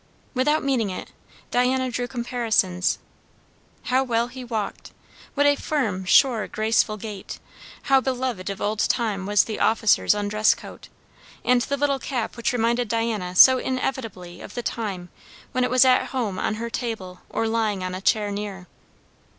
Without meaning it, Diana drew comparisons. How well he walked! what a firm, sure, graceful gait! How beloved of old time was the officer's undress coat, and the little cap which reminded Diana so inevitably of the time when it was at home on her table or lying on a chair near!